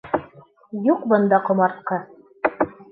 Юҡ бында ҡомартҡы!